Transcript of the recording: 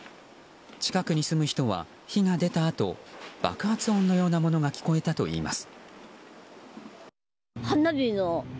近くに住む人は、火が出たあと爆発音のようなものが聞こえたといいます。